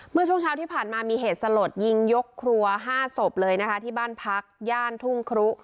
เมื่อช่วงเช้าที่ผ่านมามีเหตุสลดยิงยกครัว๕ศพเลยนะคะที่บ้านพักย่านทุ่งครุ